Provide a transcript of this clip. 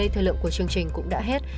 thời lượng của chương trình cũng đã hết